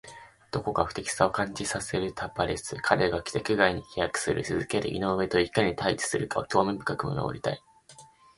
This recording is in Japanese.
どこか不敵さを感じさせるタパレス。彼が規格外に飛躍を続ける井上といかに対峙するかを興味深く見守りたい。